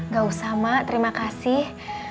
gak usah sama terima kasih